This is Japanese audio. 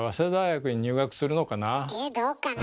えどうかな